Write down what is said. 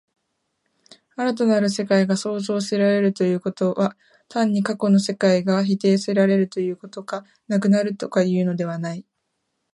新たなる世界が創造せられるということは、単に過去の世界が否定せられるとか、なくなるとかいうのではない。